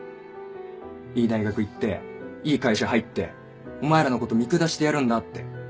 「いい大学行っていい会社入ってお前らのこと見下してやるんだ」って。